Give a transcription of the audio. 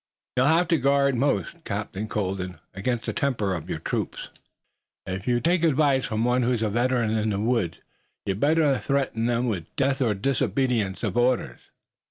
You'll have to guard most, Captain Colden, against the temper of your troop. If you'll take advice from one who's a veteran in the woods, you'd better threaten them with death for disobedience of orders."